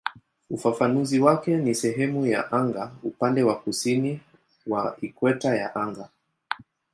Ufafanuzi wake ni "sehemu ya anga upande wa kusini wa ikweta ya anga".